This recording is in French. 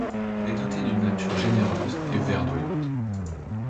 Elle est dotée d'une nature généreuse et verdoyante.